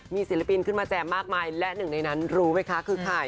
มีศิลปินขึ้นมาแจมมากมายและหนึ่งในนั้นรู้ไหมคะคือใคร